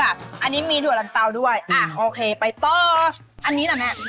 อันนี้มีถั่วลังเตาด้วยอันนี้นะแม่